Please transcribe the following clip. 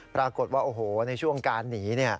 ปรากฏว่าโอ้โหในช่วงการหนี